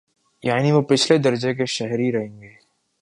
یعنی وہ نچلے درجے کے شہری رہیں گے۔